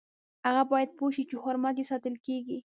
هغه باید پوه شي چې حرمت یې ساتل کیږي.